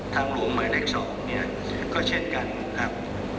ทางหลวงใหม่แรก๒ก็เช่นกันครับ